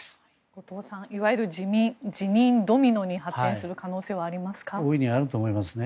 後藤さんいわゆる辞任ドミノに発展する可能性はありますか。